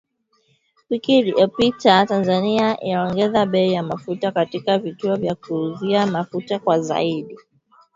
Wiki iliyopita Tanzania iliongeza bei ya mafuta katika vituo vya kuuzia mafuta kwa zaidi